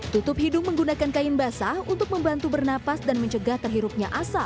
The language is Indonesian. tutup hidung menggunakan kain basah untuk membantu bernapas dan mencegah terhirupnya asap